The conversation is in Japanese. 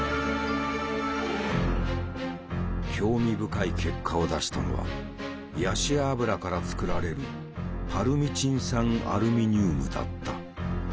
興味深い結果を出したのはヤシ油から作られるパルミチン酸アルミニウムだった。